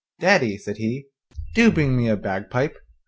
'Daddy,' said he, 'do bring me a bagpipe.